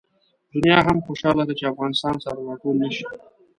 دنیا هم خوشحاله ده چې افغانستان سره راټول نه شي.